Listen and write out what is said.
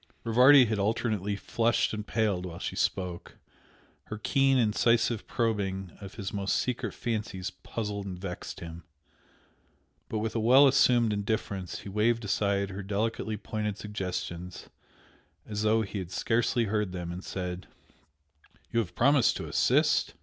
Rivardi had alternately flushed and paled while she spoke, her keen, incisive probing of his most secret fancies puzzled and vexed him, but with a well assumed indifference he waved aside her delicately pointed suggestions as though he had scarcely heard them, and said "You have promised to assist?